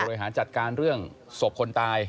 บริหารจัดการเรื่องศพคนตาย